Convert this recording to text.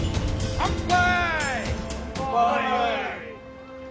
乾杯！